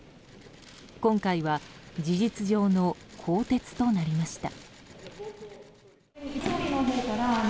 今回は事実上の更迭となりました。